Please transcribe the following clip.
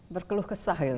berkeluh kesah itu